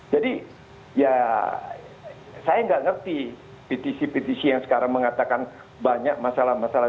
jadi ya saya enggak ngerti pcc pcc yang sekarang mengatakan banyak masalah masalah